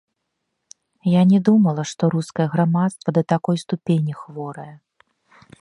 Я не думала, што рускае грамадства да такой ступені хворае.